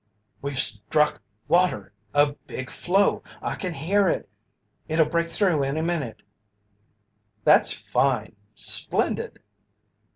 "We've struck water a big flow I can hear it it'll break through any minute!" "That's fine! Splendid!"